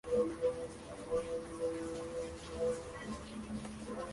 Fue sin duda el coche más rápido de la temporada.